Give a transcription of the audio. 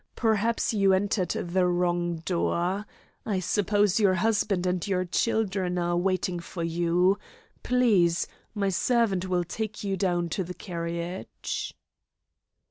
Perhaps you entered the wrong door. I suppose your husband and your children are waiting for you. Please, my servant will take you down to the carriage."